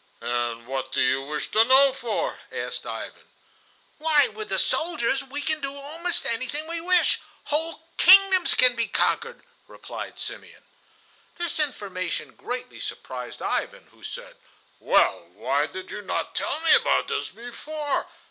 "And what do you wish to know for?" asked Ivan. "Why, with soldiers we can do almost anything we wish—whole kingdoms can be conquered," replied Simeon. This information greatly surprised Ivan, who said: "Well, why did you not tell me about this before?